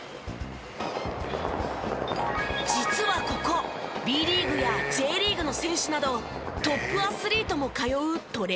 実はここＢリーグやＪリーグの選手などトップアスリートも通うトレーニング施設。